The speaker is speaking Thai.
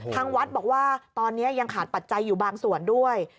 ทางวัดบอกว่าตอนนี้ยังขาดปัจจัยอยู่บางส่วนด้วย